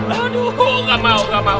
aduh nggak mau nggak mau